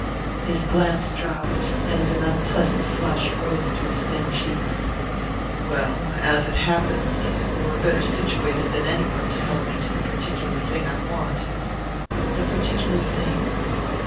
His glance dropped, and an unpleasant flush rose to his thin cheeks. "Well as it happens, you're better situated than any one to help me to the particular thing I want." "The particular thing